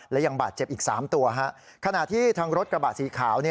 และยังบาดเจ็บอีก๓ตัวขณะที่ทางรถกระบะสีขาว